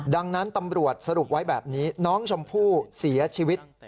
ดังนั้นตำรวจสรุปไว้แบบนี้น้องชมพู่เสียชีวิต